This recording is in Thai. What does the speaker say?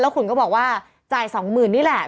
แล้วคุณก็บอกว่าจ่ายสองหมื่นนี่แหละ